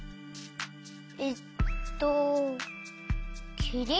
えっときりん？